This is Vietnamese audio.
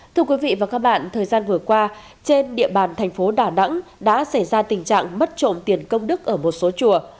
thưa quý vị và các bạn thời gian vừa qua trên địa bàn thành phố đà nẵng đã xảy ra tình trạng mất trộm tiền công đức ở một số chùa